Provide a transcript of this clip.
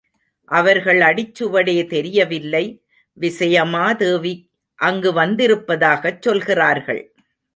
அவர்கள் அடிச்சுவடே தெரியவில்லை. விசயமா தேவி அங்கு வந்திருப்பதாகச் சொல்கிறார்கள்.